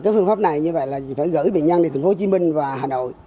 phương pháp này như vậy là phải gửi bệnh nhân đến tp hcm và hà nội